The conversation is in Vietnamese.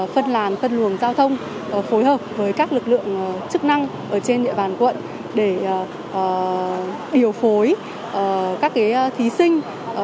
phân làn phân luồng giao thông phối hợp với các lực lượng chức năng ở trên địa bàn quận để điều phối các thí sinh